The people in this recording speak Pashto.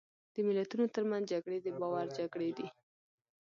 د ملتونو ترمنځ جګړې د باور جګړې دي.